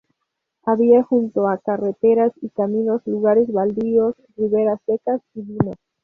Habita junto a carreteras y caminos, lugares baldíos, riberas secas y dunas.